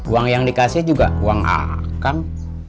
uang yang dikasih juga uang akang